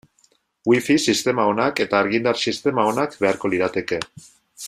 Wifi sistema onak eta argindar sistema onak beharko lirateke.